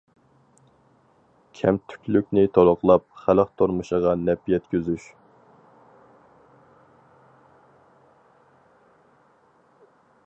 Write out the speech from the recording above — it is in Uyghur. كەمتۈكلۈكنى تولۇقلاپ، خەلق تۇرمۇشىغا نەپ يەتكۈزۈش.